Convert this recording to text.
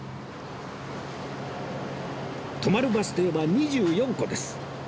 止まるバス停は２４個です